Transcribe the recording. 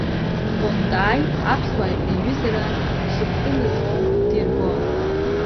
Понтааи аԥсуааи реиҩызара шыԥкымз дирбон.